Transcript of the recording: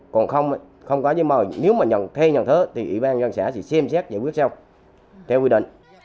còn không có giấy mời nếu mà nhận thay nhận thứ thì ủy ban nhân xã thì xem xét giải quyết sau theo quy định